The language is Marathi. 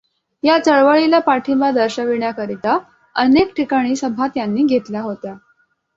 या चळ्वळीला पाठिंबा दर्शविण्याकरिता अनेक ठिकाणी सभा त्यांनी घेतल्या होत्या.